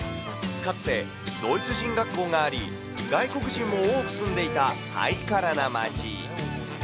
かつてドイツ人学校があり、外国人も多く住んでいたハイカラな街。